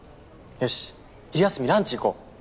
よし昼休みランチ行こう。